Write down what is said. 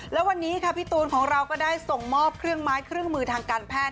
แล้ววันนี้ค่ะพี่ตูนของเราก็ได้ส่งมอบเครื่องไม้เครื่องมือทางการแพทย์